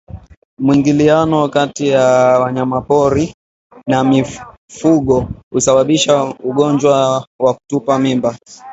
Mwingiliano kati ya wanyamapori na mifugo husababisha ugonjwa wa kutupa mimba